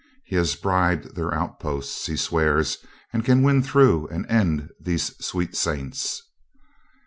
He has bribed their outposts, he swears, and can win through and end these sweet saints."